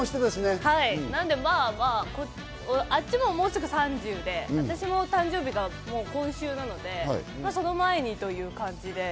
なんで、あっちももうすぐ３０で、私も誕生日が今週なので、その前にという感じで。